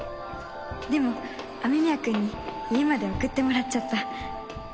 「でも雨宮くんに家まで送ってもらっちゃった！」